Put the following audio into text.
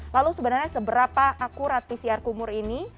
lalu sebenarnya seberapa akurat pcr kumur ini